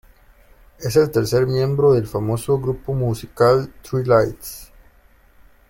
Es el tercer miembro del famoso grupo musical Three Lights.